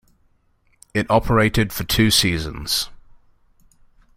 It operated for two seasons.